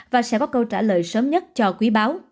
và sẽ có câu trả lời sớm nhất cho quý báo